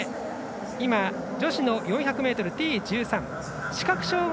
今、女子の４００ｍＴ１３